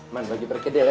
man lagi berkedil ya